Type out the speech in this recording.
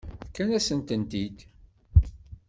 Fkan-asent-tent-id.